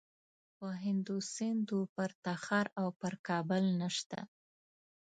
په هند و سند و پر تخار او پر کابل نسته.